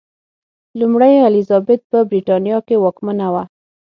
لومړۍ الیزابت په برېټانیا کې واکمنه وه.